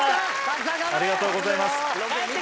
ありがとうございます。